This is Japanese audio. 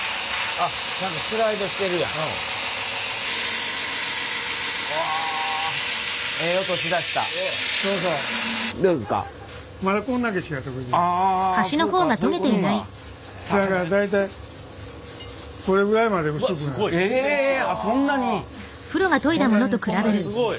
あっすごい。